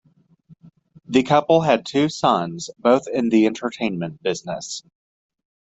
The couple had two sons, both in the entertainment business.